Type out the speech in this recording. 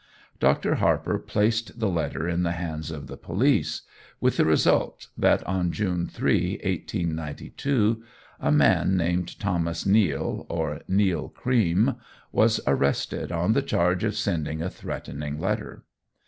Dr. Harper placed this letter in the hands of the police, with the result, that on June 3, 1892, a man named Thomas Neill, or Neill Cream, was arrested on the charge of sending a threatening letter.